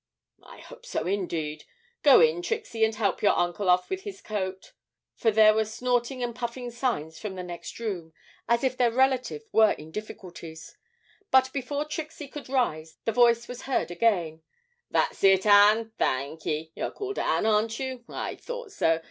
'I hope so, indeed! Go in, Trixie, and help your uncle off with his coat,' for there were snorting and puffing signs from the next room, as if their relative were in difficulties; but before Trixie could rise the voice was heard again, 'That's it, Ann, thanky you're called Ann, aren't you? I thought so.